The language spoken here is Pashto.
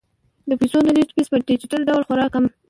د پيسو د لیږد فیس په ډیجیټل ډول خورا کم دی.